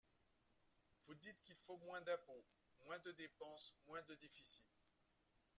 Vous dites qu’il faut moins d’impôts, moins de dépenses, moins de déficit.